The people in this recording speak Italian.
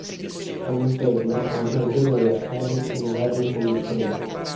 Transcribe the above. All'interno ha un pregevole altare in marmi policromi.